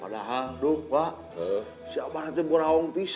ini ya kita mirip imaginest